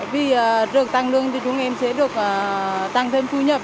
vì được tăng lương thì chúng em sẽ được tăng thêm thu nhập